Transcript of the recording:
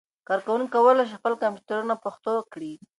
کاروونکي کولای شي خپل کمپيوټر پښتو کړي.